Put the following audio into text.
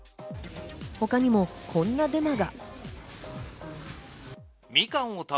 他にもこんなデマが。